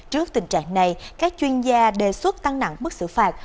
trước tình trạng này các chuyên gia đề xuất tăng nặng mức xử phạt